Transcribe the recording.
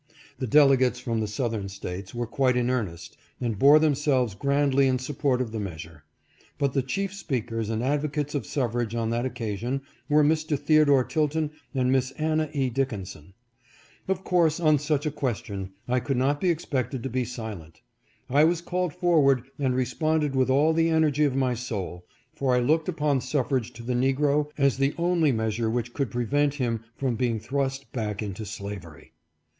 The delegates from the Southern States were quite in earnest, and bore themselves grandly in support of the measure ; but the chief speakers and advocates of suffrage on that occasion were Mr. Theodore Tilton and Miss Anna E. FREE SUFFRAGE TRIUMPHANT. 483 Dickinson. Of course, on such a question, I could not be expected to be silent. I was called forward and respond ed with all the energy of my soul, for I looked upon suffrage to the Negro as the only measure which could prevent him from being thrust back into slavery.